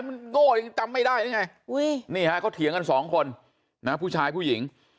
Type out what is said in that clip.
มันโง่จำไม่ได้ไงนี่ค่ะเขาเถียงกัน๒คนนะผู้ชายผู้หญิง